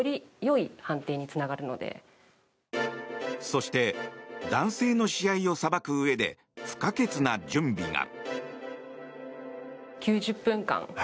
そして男性の試合を裁くうえで不可欠な準備が。